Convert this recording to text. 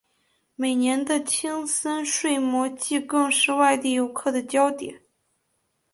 每年的青森睡魔祭更是外地游客的焦点。